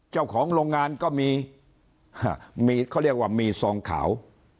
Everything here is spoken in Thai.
เจ้าของโรงงานก็มีเขาเรียกว่ามีซองขาว